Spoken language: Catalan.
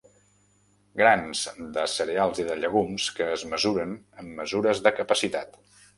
Grans de cereals i de llegums que es mesuren amb mesures de capacitat.